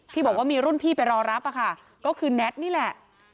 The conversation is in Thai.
ที่บอกว่ามีรุ่นพี่ไปรอรับค่ะก็คือแน็ตนี่แหละ